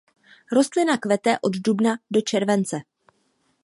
Rostlina kvete od dubna do července.